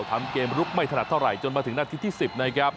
ทำเกมลุกไม่ถนัดเท่าไหร่จนมาถึงนาทีที่๑๐นะครับ